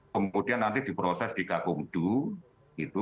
kemudian nanti diproses di kakungdu gitu